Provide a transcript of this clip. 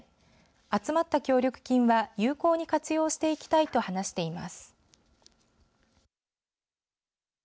集まった協力金は有効に活用していきたいと話しています。